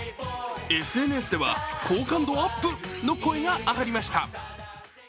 ＳＮＳでは、好感度アップの声が上がりました。